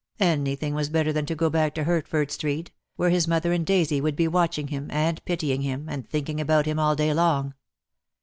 Anything was better than to go back to Hert ford Street, where his mother and Daisy would be watching him, and pitying him, and thinking about him all day long.